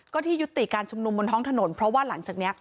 ก็ที่ยุติการชุมนุมบนท้องถนนเพราะว่าหลังจากนี้